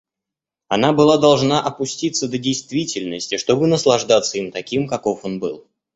Она была должна опуститься до действительности, чтобы наслаждаться им таким, каков он был.